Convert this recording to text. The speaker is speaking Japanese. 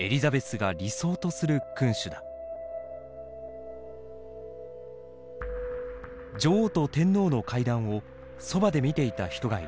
女王と天皇の会談をそばで見ていた人がいる。